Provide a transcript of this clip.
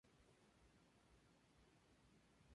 Ellos sirven para estado e institutos sociales.